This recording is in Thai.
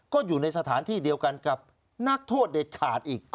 ก็อยู่ในสถานที่เดียวกันกับนักโทษเด็ดขาดอีก